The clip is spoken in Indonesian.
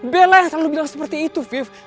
bella yang selalu bilang seperti itu viv